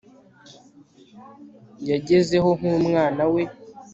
yagezeho nkumwana we